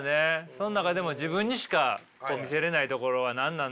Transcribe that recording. その中でも自分にしか見せれないところは何なんだろうっていう。